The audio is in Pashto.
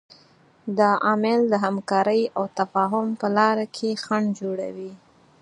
دا عامل د همکارۍ او تفاهم په لاره کې خنډ جوړوي.